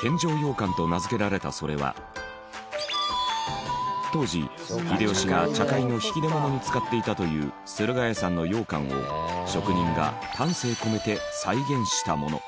献上羊羹と名付けられたそれは当時秀吉が茶会の引き出物に使っていたという駿河屋さんの羊羹を職人が丹精込めて再現したもの。